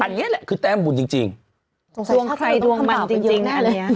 อันเนี้ยแหละคือแต้มบุญจริงจริงต้องใช้ดวงมันจริงจริงน่ะอันเนี้ย